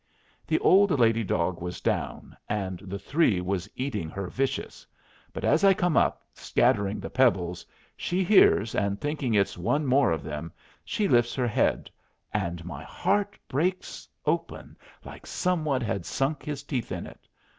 The old lady dog was down, and the three was eating her vicious; but as I come up, scattering the pebbles, she hears, and thinking it's one more of them, she lifts her head, and my heart breaks open like some one had sunk his teeth in it.